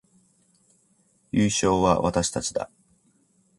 優勝は私たちだ